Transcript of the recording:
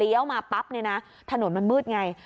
เลี้ยวมาปั๊บถนนมันมืดไง